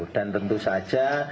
dan tentu saja